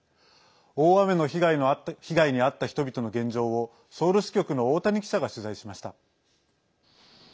大雨の被害に遭った人々の現状をソウル支局の大谷記者が取材しました。